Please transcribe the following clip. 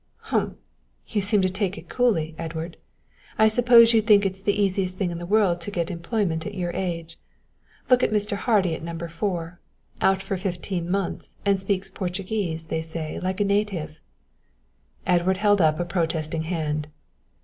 "Umph! you seem to take it coolly, Edward; I suppose you think it's the easiest thing in the world to get employment at your age. Look at Mr. Hardy at No. 4, out for fifteen months and speaks Portuguese, they say, like a native " Edward held up a protesting hand.